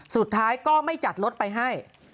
สุดท้ายก็ไม่จัดรถไปให้